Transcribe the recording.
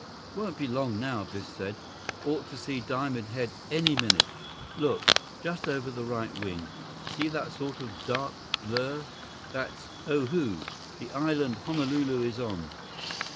"Won't be long now," Biff said. "Ought to see Diamond Head any minute. Look ... just over the right wing. See that sort of dark blur? That's Oahu, the island Honolulu is on."